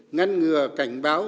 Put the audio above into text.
ngăn ngừa cảnh báo